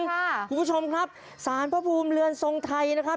คุณผู้ชมครับสารพระภูมิเรือนทรงไทยนะครับ